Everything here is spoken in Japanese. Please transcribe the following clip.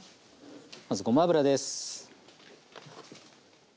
まずごま油です。